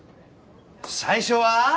最初は。